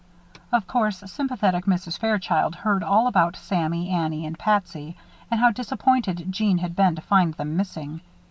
Of course sympathetic Mrs. Fairchild heard all about Sammy, Annie, and Patsy, and how disappointed Jeanne had been to find them missing.